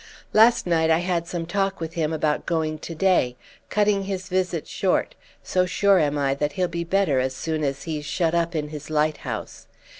Last night I had some talk with him about going to day, cutting his visit short; so sure am I that he'll be better as soon as he's shut up in his lighthouse.